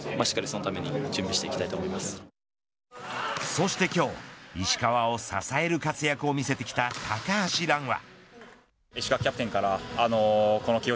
そして今日石川を支える活躍を見せてきた高橋藍は。